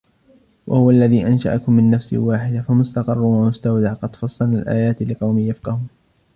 وهو الذي أنشأكم من نفس واحدة فمستقر ومستودع قد فصلنا الآيات لقوم يفقهون